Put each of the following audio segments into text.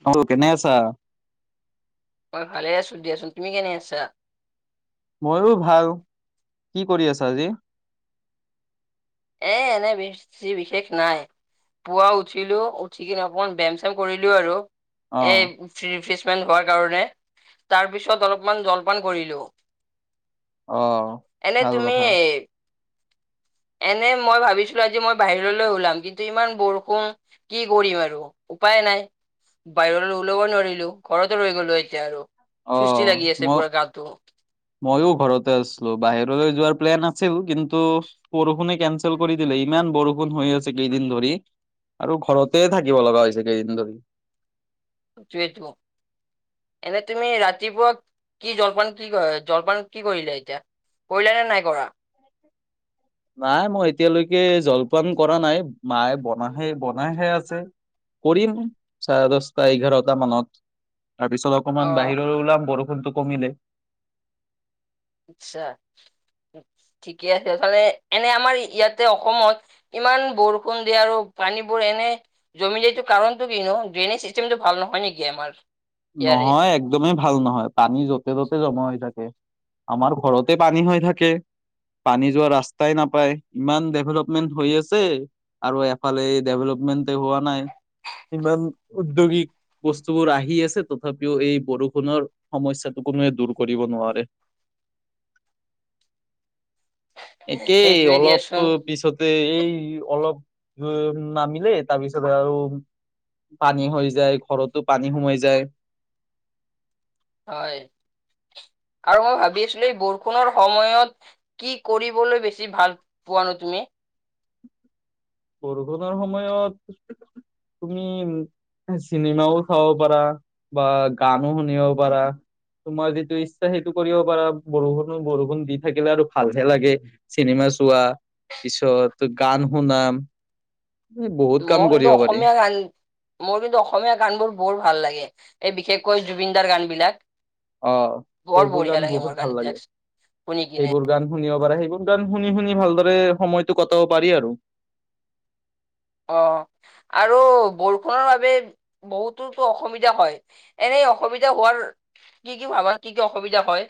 অ', বোলো কেনে আছা? মই ভালে আছোঁ দিয়াচোন তুমি কেনে আছা? ময়ো ভাল। কি কৰি আছা আজি? এ, এনে বেছি বিশেষ নাই। পুৱা উঠিলোঁ, উঠি কিনে অকমান ব্যায়াম চিয়াম কৰিলোঁ আৰু। অ এ, ফ্ৰি-ফ্ৰিচমেণ্ট হোৱাৰ কাৰণে তাৰপিছত অলপমান জলপান কৰিলোঁ। অ এনে ভাল তুমি কথা এনে মই ভাবিছিলোঁ আজি মই বাহিৰলৈ ওলাম, কিন্তু ইমান বৰষুণ কি কৰিম আৰু। উপায় নাই। বাহিৰলৈ ওলাব নোৱাৰিলোঁ, ঘৰতে ৰৈ গ'লোঁ এতিয়া আৰু। অ ফুষ্টি লাগি ম আছে পুৰা গাটো। ময়ো ঘৰতে আছলোঁ, বাহিৰলে যোৱাৰ প্লেন আ ছিল, কিন্তু বৰষুণে কেনচেল কৰি দিলে ইমান বৰষুণ হৈ আছে কেইদিন ধৰি। আৰু ঘৰতে থাকিব লগা হৈছে কেইদিন ধৰি। [inaudible] এনে তুমি ৰাতিপুৱা কি জলপান কি কৰা, জলপান কি কৰিলা এতিয়া? কৰিলা নে নাই কৰা? নাই মই এতিয়ালৈকে জলপান কৰা নাই। মায়ে বনাহে- বনাইহে আছে। কৰিম, চাৰে দছটা এঘাৰটা মানত তাৰপিছত আ অ অকণমান বাহিৰলৈ ওলাম, বৰষুণতো কমিলে। আচ্ছা ঠিকে আছে [unintelligible] এনে আমাৰ ইয়াতে অসমত ইমান বৰষুণ দিয়াৰো পানীবোৰ এনে [unintelligible] কাৰণতো কিনো ড্ৰেইনেজ চিষ্টেমটো ভাল নহয় নেকি আমাৰ? ইয়াৰে নহয়, একদ একদমেই ভাল নহয়, পানী য'তে ত'তে জমা হৈ থাকে। আমাৰ ঘৰতে পানী হৈ থাকে। পানী যোৱা ৰাস্তাই নাপায়, ইমান ডেভেলপমেন্ট হৈ আছে। আৰু এফালে ডেভেলপমেণ্টেই হোৱা নাই। ইমান উদ্যোগিক বস্তুবোৰ আহি আছে। তথাপিও এই বৰষুণৰ সমস্যাটো কোনোৱে দূৰ কৰিব নোৱাৰে। একেই সেইটোৱে অলপ দিয়াচোন পিছত এই অলপ উম, নামিলে তাৰপিছত আৰু পানী হৈ যায়, ঘৰতো পানী সোমাই যায়। হয়, আৰু মই ভাবি আছিলোঁ এই বৰষুণৰ সময়ত কি কৰিবলৈ বেছি ভাল পোৱানো তুমি? বৰষুণৰ সময়ত তুমি চিনেমাও চাব পাৰা, বা গানো শুনিব পাৰা। তোমাৰ যিটো ইচ্ছা সেইটো কৰিব পাৰা বৰষুণো বৰষুণ দি থাকিলে আৰু ভালহে লাগে। চিনেমা চোৱা পিছত গান শুনাম। এই বহুত কাম মই কিন্তু কৰিব পাৰি অসমীয়া গান মোৰ কিন্তু অসমীয়া গানবোৰ বৰ ভাল লাগে। এই বিশেষকৈ জুবিনদাৰ গান বিলাক। অ বৰ সেইবোৰ বঢ়িয়া গান লাগে মোৰ বহুত গান ভাল লাগে। বিলাক শুনি কিনে সেইবোৰ গান শুনিব পাৰে। সেইবোৰ গান গান শুনি শুনি ভালদৰে সময়তটো কটাব পাৰি আৰু। অ আৰু বৰষুণৰ বাবে বহুতোতো অসুবিধা হয়। এনেই অসুবিধা হোৱাৰ কি কি ভাবা? কি কি অসুবিধা হয়।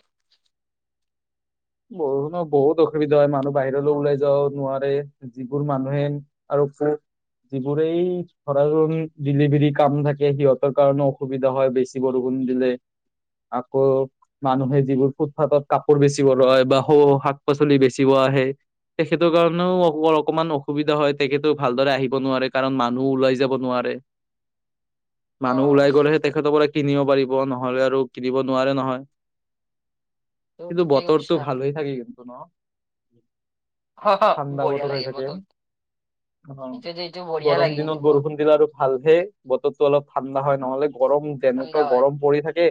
বৰুষুণত বহুত অসুবিধা হয়। মানুহ বাহিৰলৈ ওলাই যাব নোৱাৰে। যিবোৰ মানুহে আৰু [inaudible] যিবোৰেই ধৰা ডেলিভাৰী কাম থাকে, সিহঁতৰ কাৰণেও অসুবিধা হয় বেছি। বৰষুণ দিলে আকৌ মানুহে যিবোৰ ফুটফাতত কাপোৰ বেছিব লয় বা স শাক পাচলি বেছিব আহে। তেখেতৰ কাৰণেও অ অকমান অসুবিধা হয়। তেখেতো ভালদৰে আহিব নোৱাৰে। কাৰণ মানুহো ওলাই যাব নোৱাৰে। মানুহ অ' ওলাই গ'লেহে তেখেত সকলে কিনিব পাৰিব নহ'লে আৰু কিনিব নোৱাৰে নহয়। ত কিন্তু ঠিকেই বতৰ ত কৈছা। ভাল হৈ থাকে কিন্তু ন। হ হ ঠাণ্ডা বঢ়িয়া বতৰ হৈ লাগে থাকে বতৰত অ এইটোতো এইটো বঢ়িয়া গৰম লাগে দিনত কিন্তু মোৰ বৰষুণ দিলে আৰু ভালহে বতৰটো অলপ ঠাণ্ডা হয় নহ'লে গৰম ঠাণ্ডা তেনেকুৱা হয়। গৰম পৰি থাকে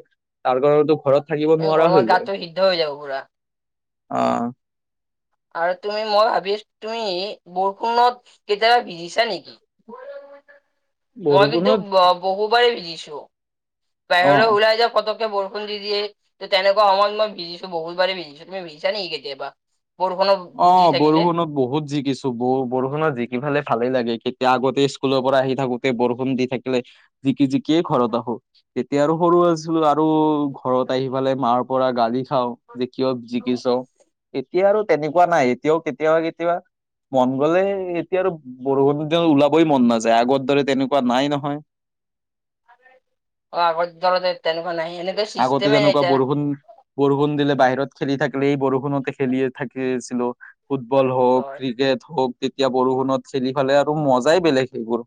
তাৰ কাৰণতো ঘৰত থাকিব এ নোৱাৰা গৰমত হৈ যায়। গাটো সিদ্ধ হৈ যাব পুৰা। অঁ আৰু তুমি মই ভাবি আছো তুমি বৰষুণত কেতিয়াবা ভিজিছা নেকি? [unintelligible] মই কিন্তু বৰষুণত বহুবাৰেই ভিজিছো বাহিৰলৈ অ ওলাই যাওঁ। পকত বৰষুণ দি দিয়ে ত তেনেকুৱা সমত মই ভিজিছো বহুত বাৰে ভিজিছো তুমিজছ নেকি কেতিয়াবা? বৰষুণত দি অঁ থাকিলে বৰষুণত বহুত জিকিছো বু বৰষুণত জিকি পালে ভালেই লাগে কেতিয়া আগতে স্কুলৰ পৰা আহি থাকোতে বৰষুণ দি থাকিলে। জিকি জিকিয়ে ঘৰত আহো তেতিয়া আৰু সৰু আছিলো আৰু ঘৰত আহি ফালে মাৰ পৰা গালি খাও যে কিয় জিকিছ এতিয়া আৰু তেনেকুৱা নাই এতিয়াও কেতিয়াবা কেতিয়াবা মন গ'লে এতিয়া আৰু বৰষুণ দিলে উলাবলে মন নাযায়। আগৰ দৰে তেনেকুৱা নাই নহয়। অ আগৰ ধৰণে তেনেকুৱা নাই এনে আগতে যেনেকুৱা বৰষুণ বৰষুণ দিলে বাহিৰত খেলি থাকিলে এই বৰষুণতে খেলি থাকিছিলো। ফুটবল এতিয়া হওঁক, হয় ক্ৰিকেট হওঁক তেতিয়া বৰষুণত খেলি ফালে আৰু মজাই বেলেগ সেইবোৰ।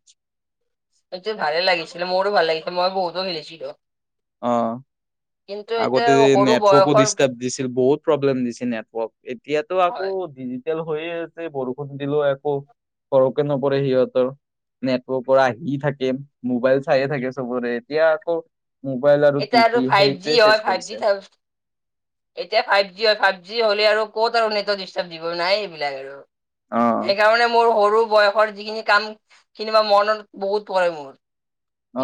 সিটো ভালে লাগিছিলে মোৰো ভাল লাগিছিল মই বহুতো খেলিছিলো। অঁ কিন্তু এতিয়া আগতে সৰু নেটৱৰ্কো বয়সৰ ডিষ্টাৰ্ব দিছিল বহুত প্ৰব্লেম দিছিল। নেটৱৰ্ক এতিয়াতো হয় আকৌ তেল হৈয়ে আছে বৰষুণ দিলেও একো ফৰকে নপৰে সিহঁতৰ নেটৱৰ্কৰ আহি থাকে মোবাইল চাইে থাকে সবৰে। এতিয়া আকৌ মোবাইল আৰু তিভি সেই যি হয় ফাইভজি চা এতিয়া ফাইভ জি হয় ফাইভ জি হলে আৰু ক'ত আৰু নেটৱৰ্ক দিষ্টাব দিব। নাই এইবিলাক আৰু অ সেইকাৰণে মোৰ সৰু বয়সৰ যিখিনি কামখিনি মই মনত বহুত পৰে মোৰ।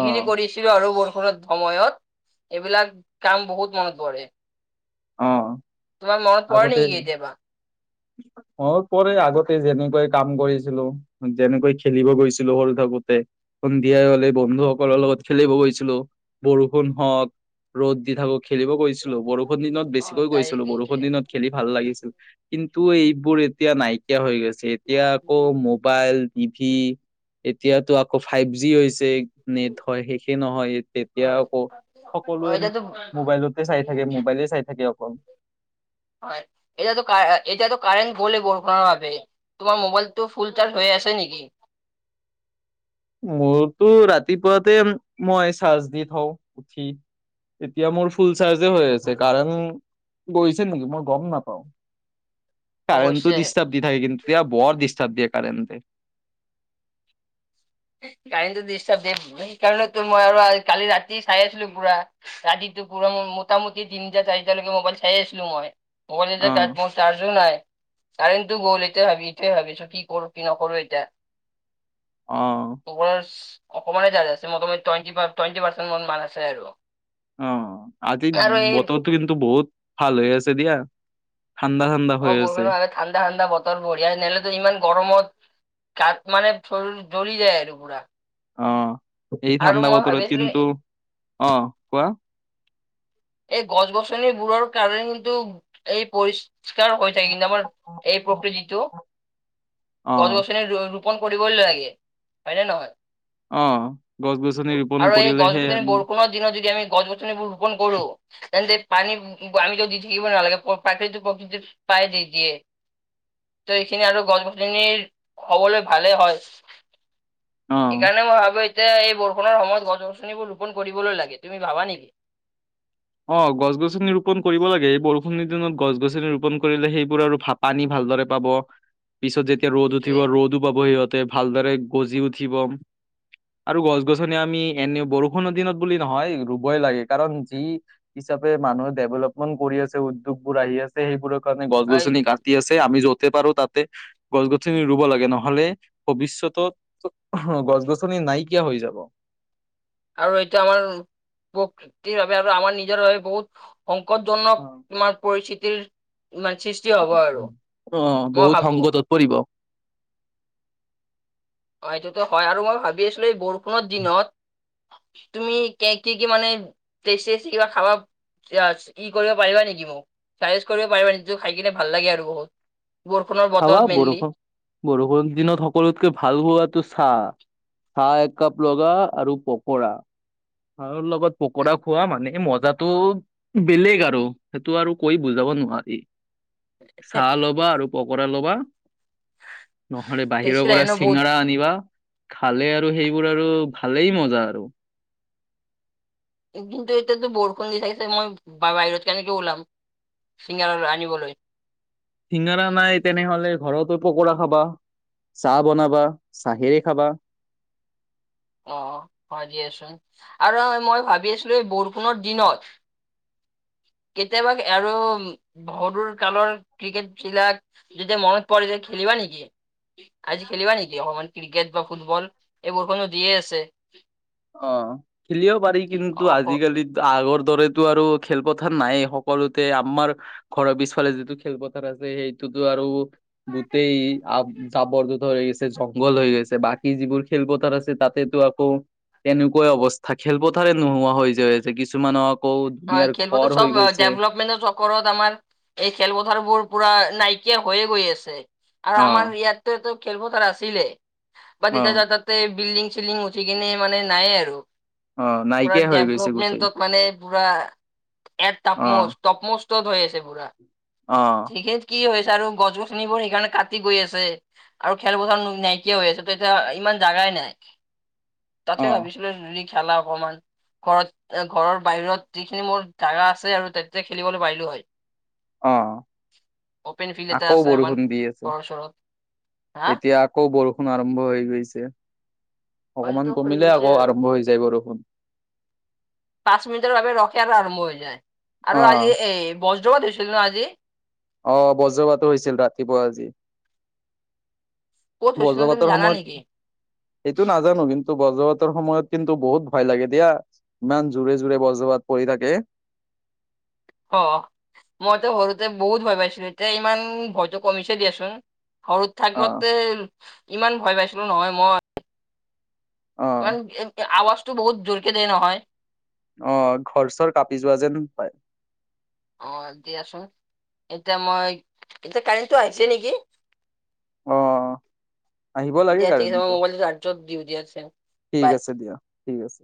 অ কৰিছিলো আৰু বৰষুণৰ সময়ত এইবিলাক কাম বহুত মনত পৰে অ তোমাৰ মনত পৰে নেকি কেতিয়াবা মনত পৰে আগতে যেনেকৈ কাম কৰিছিলো যেনেকৈ খেলিব গৈছিলো সৰু থাকোতে সন্ধিয়াই হলে বন্ধু সকলৰ লগত খেলিব গৈছিলো বৰষুণ হওক ৰ'দ দি থাকো খেলিব গৈছিলো বৰষুণ বৰষুণ দিনত অ বেছিকৈ গৈছিলো ডাইৰেক্ট বৰষুণ এইটোৱে দিনত খেলি ভাল লাগিছিল কিন্তু এইবোৰ এতিয়া নাই নাইকিয়া হৈ গৈছে এতিয়া আকৌ মোক মোবাইল টিভি এতিয়াতো আকৌ ফাইভ জি হৈছে নেট হয় শেষে নহয় তেতিয়া হয় আকৌ অ সকলোৱে এতিয়াতো মোবাইলতে চাই থাকে মোক ৰিলে চাই থাকে অকল হয় এতিয়াতো কা এতিয়াতো কাৰেট গলেই ব বোনো ভবে তোমাৰ মোবাইলটো ফুল চাৰ্জ হৈ আছে নেকি মোৰতো ৰাতিপুৱাতে মই চাৰ্জ দি থওঁ উঠি এতিয়া মোৰ ফুল চাৰ্জে হৈ আছে কাৰণ গৈছে নেকি মই গম নাপাওঁ অৱশ্যে কাৰেণ্টটো ডিষ্টাৰ্ব দি থাকে কিন্তু এতিয়া বৰ ডিষ্টাৰ্ব দিয়ে কাৰেণ্টে কাৰেন্টটো ডিষ্টাব দিয়ে সেইকাৰণতো মই আৰু কালি ৰাতি চাই আছিলো পুৰা ৰাতিটো পৰা মোটামুটি তিনিটা চাৰিট লৈকে মোবাইল চাই আছিলো মই মোবাইল অ চাৰছ বন চাৰ্জো নাই কাৰেণ্টটো গ'ল এতিয়া ভাবি এতিয়া ভাবিছো কি কৰো কি নকৰো এতিয়া অ কোৱাছ অকণমানে চাৰয আছে মটামটি টুৱেটি পাৰ্চেণ্ট মান আছে আৰু অ আজি আৰু এই বতৰটো কিন্তু বহুত ভাল হৈ আছে দিয়া ঠাণ্ডা ঠাণ্ডা অ হৈ আছে বৰষুণৰ ঠাণ্ডা ঠাণ্ডা বতৰ বঢ়িয়া নহলেতো ইমান গৰমত তাক মানে শৰীৰ জ্বলি যায় আৰু পুৰা অ এই আৰু ঠাণ্ডা মই বতৰত ভাবিছিলো কিন্তু অ কোৱা এই গছ গছনিবোৰৰ কাৰণেটো এই পৰিস্থি পৰিষ্কাৰ হৈ থাক কিন্তু আমাৰ এই প্ৰকৃতিটো অ গছ গছনিৰ ৰু ৰোপন কৰিবই লাগে হয় নে নহয়। অ গছ গছনি ৰোপন আৰু এই গছ কৰিলেহে গছনি বৰষুণৰ দিনত যদি আমি গছ গছনিবোৰ ৰোপন কৰো তেন্ত পানী আমিতো দি থাকিব নালাগে প্ৰাকৃতিক প্ৰকৃতি পায় দি দিয়ে ত এইখিনি আৰু গছ গছনিৰ হবলৈ ভালেই হয় অ সেইকাৰণে মই ভাবো এতিয়া এই বৰষুণৰ সময়ত গছ গছনিবোৰ ৰোপন কৰিবলৈ লাগে তুমি ভাবা নেকি? অ গছ গছনি ৰোপন কৰিব লাগে এই বৰষুণি দিনত গছ গছনি ৰোপন কৰিলে সেইবোৰ আৰু ভাত পানী ভালদৰে পাব পিছত যেতিয়া ৰ'দ উঠিব সেইটোয়ে ৰ'দো পাব সিহঁত। তে ভালদৰে গজি উঠিব। আৰু গছ-গছনি আমি এনেও বৰষুণৰ দিনত বুলি নহয়, ৰুবই লাগে কাৰণ যি। হিচাপে মানুহে ডেভলপমেণ্ট কৰি আছে উদ্যোগবোৰ আহি আছে। সেইবোৰৰ কাৰণে গছ গছনি কাটি আছে আমি য'তে পাৰো তাত তে গছ-গছনি ৰুব লাগে নহলে ভৱিষ্যতত। গছ-গছনি নাইকিয়া হৈ যাব। আৰু এইটো আমাৰ প্ৰকৃতিৰ বাবে আৰু আমাৰ নিজৰ বাবে বহুত। সংকটজনক কিমান পৰিস্থিতিৰ ইমান চিচ [unintelligible] অঁ বহুত সংগকতত পৰিব। অঁ, এইটোত' হয় আৰু মই ভাবি আছিলো এই বৰষুণৰ দিনত। তুমি কেক কি কি মানে পেছি-চেছি কিবা খাবা চিৰাজ কি কৰিব পাৰিবা নেকি মোক চাজেষ্ট কৰিব পাৰিবা নেকি? যিটো খাই কিনে ভাল লাগে আৰু বহুত। বৰষুণৰ খাবা বতৰত বৰষুণ, মেইনলি বৰষুণৰ দিনত সকলোতকে ভাল হোৱাটো চা। চাহ এক কাপ লগা আৰু পকৰা। চাহ ৰ লগত পকোৰা খোৱা মানে মজাতটোও বেলেগ আৰু সেইটো আৰু কৈ বুজাব নোৱাৰি। চাহ ল'বা আৰু পকোৰা ল'বা নহ'লে টেক্সি বাহিৰৰ লাগে পৰা ন বহুত চিঙাৰা আনি দিবা খালে আৰু সেইবোৰ আৰু ভালেই মজা আৰু। একদিন ত'কিন্তু এতিতো বৰষুণ দি থাকিছে, মই বা বাহিৰত কেনেকে ওলাম? চিঙৰা আনিবলৈ। চিঙাৰা নাই তেনেহ'লে ঘৰতে পকোৰা খাবা চাহ বনাবা চাহেৰে খাবা। অ' অ' হয় দিয়াচোন আৰু নহয় মই ভাবি আছিলো এই বৰষুণৰ দিনত। কেতিয়াবা আৰু সৰুৰ কালৰ ক্ৰিকেট বিলাক যেতিয়া মনত পৰে যে, খেলিবা নেকি? আজি খেলিবা নেকি? অকমান ক্ৰিকেট বা ফুটবল এই বৰষুন দিয়ে আছে। অঁ, খেলিবা পাৰি কিন্তু অ- অ- আজিকালি ত' আগৰ দৰেতো আৰু খেলপথাৰ নাইয়ে সকলোতে আম্মাৰ ঘৰৰ পিছফালে যিটো খেলপথাৰ আছে সেইটোতো আৰু। গোটেই আব- জাবৰ জোথৰ হৈ গৈছে, জংঘল হৈ গৈছে, বাকী যিবোৰ খেলপথাৰ আছে, তাতেতো আকৌ তেনেকুৱাই অৱস্থা, খেলপথাৰে নোহোৱা হৈ যায় যে কিছুমানক। অয়, খেলপথাৰত চব ডেভলপমেনো চব কৰাত আমাৰ এই খেলপথাৰ বোৰ পুৰা নাইকিয়া হৈয়ে গৈ আছে। আৰু অ আমাৰ ইয়াতে তো খেলপথাৰ আছিলে, বা অ যেতিয়া যা তাত তে বিল্ডিং-চিল্ডিং উঠি কিনে মানে নাই আৰু অ পুৰা নাইকিয়া হৈ গৈছে গোটেই ডেভলপমেন্টত মানে পুৰা এট অ টাপমোষ্ট টপমোষ্টত হৈ আছে পুৰা। অঁ, টিকেত কি হৈছে আৰু গছ-গছনিবোৰ সেইকাৰণে কাটি গৈ আছে। আৰু খেলপথাৰ না- নাইকিয়া হৈ আছে, ত' এতিয়া ইমান জাগাই নাই। অ তাতে ভাবিছিলো যদি খেলা অকমান ঘৰত এ ঘৰৰ বাহিৰত যিখিনি মোৰ জাগা আছে আৰু তাত তেতিয়া খেলিবলৈ পাৰিলো হয়। অঁ, অপেন ফিল্ড এটা আকৌ আছে আমাৰ বৰষুণ দি আছে, ঘৰৰ ওচৰত হা এতিয়া আকৌ বৰষুণ আৰম্ভ হৈ গৈছে। হয়তো অকমান হৈ কমিলে গৈছে আকৌ আৰু আৰম্ভ হৈ যায় বৰষুণ। পাঁচ মিনিটৰ বাবে ৰ'খে আৰু আৰম্ভ হৈ যায়, আৰু আজি অ', এই বজ্ৰপাট দিছিল ন' আজি? অঁ, বজ্ৰপাটো হৈছিল ৰাতিপুৱা আজি। ক'ত হৈছিলো তুমি বজ্ৰপাটৰ জানা নেকি? সময়ত। এইটো নাজানো, কিন্তু বজ্ৰপাটৰ সময়ত কিন্তু বহুত ভয় লাগে দিয়া। ইমান জোৰে জোৰে বজ্ৰপাট পৰি থাকে। অ', মইতো সৰুতে বহুত ভয় পাইছিলো, এতিয়া ইমান ভয়টো কমিছে দিয়াচোন। সৰুত অ', থাকোতে ইমান ভয় পাইছিলো নহয় মই। অ', ইমান ইতকে আৱাজটো বহুত জোৰকে দিয়ে নহয়। অ', ঘৰ-চৰ কাপি যোৱা যেন পায়। অ', দিয়াচোন এতিয়া মই এতিয়া কাৰেণ্টটো আহিছে নেকি? অ', অ'। আহিব লাগে দিয়া ঠিক আছে মই কাৰেণ্টটো, মোবাইলটো চাৰ্জত দিওঁ দিয়া আছে ঠিক বাই। আছে দিয়ক ঠিক আছে।